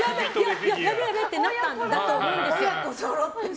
やべやべ！ってなったんだと思うんですよ。